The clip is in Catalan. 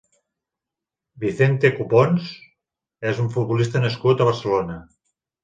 Vicente Cupóns és un futbolista nascut a Barcelona.